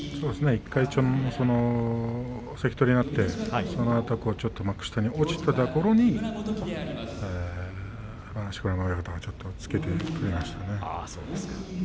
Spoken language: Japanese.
１回、関取になってそのあとちょっと幕下に落ちていたころに錣山親方がちょっと付けてくれましたね。